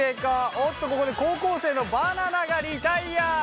おっとここで高校生のバナナがリタイア。